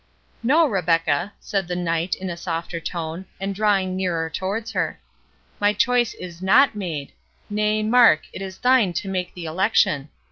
"No, Rebecca," said the knight, in a softer tone, and drawing nearer towards her; "my choice is NOT made—nay, mark, it is thine to make the election.